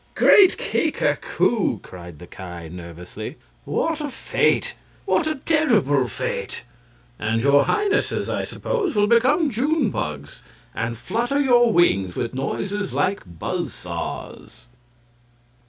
"Great Kika koo!" cried the Ki, nervously, "what a fate! what a terrible fate! And your Highnesses, I suppose, will become June bugs, and flutter your wings with noises like buzz saws!"